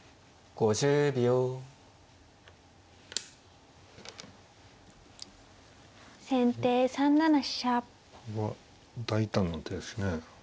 これは大胆な手ですね。